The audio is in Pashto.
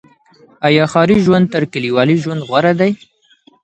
آيا ښاري ژوند تر کليوالي ژوند غوره دی؟